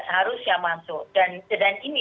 seharusnya masuk dan ini